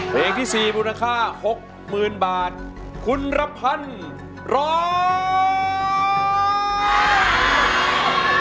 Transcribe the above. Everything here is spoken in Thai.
เพลงที่สี่มูลค่าหกหมื่นบาทคุณระพันธ์ร้อง